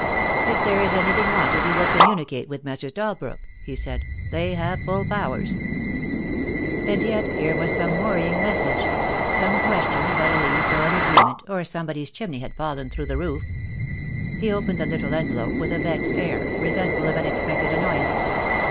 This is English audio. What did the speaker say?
"If there is anything wanted you will communicate with Messrs. Dalbrook," he said. "They have full powers." And yet here was some worrying message — some question about a lease or an agreement, or somebody's chimney had fallen through the roof. He opened the little envelope with a vexed air, resentful of an expected annoyance.